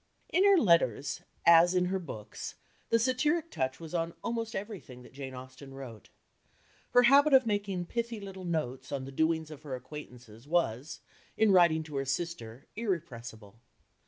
In her letters, as in her books, the satiric touch was on almost everything that Jane Austen wrote. Her habit of making pithy little notes on the doings of her acquaintances was, in writing to her sister, irrepressible.